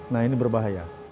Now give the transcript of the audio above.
nah ini berbahaya